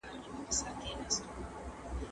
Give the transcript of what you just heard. که معلومات کره نه وي مه یې خپروئ.